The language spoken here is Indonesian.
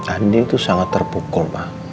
andin itu sangat terpukul